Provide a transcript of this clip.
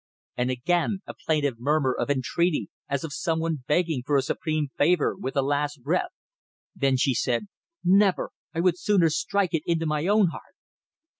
And again a plaintive murmur of entreaty as of some one begging for a supreme favour, with a last breath. Then she said "Never! I would sooner strike it into my own heart."